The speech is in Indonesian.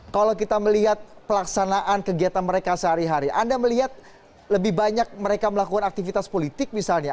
kalau kita melihat pelaksanaan kegiatan mereka sehari hari anda melihat lebih banyak mereka melakukan aktivitas politik misalnya